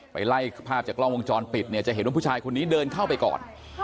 ไปไล่ภาพจากกล้องวงจรปิดเนี่ยจะเห็นว่าผู้ชายคนนี้เดินเข้าไปก่อน